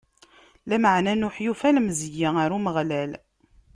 Lameɛna Nuḥ yufa lemzeyya ɣer Umeɣlal.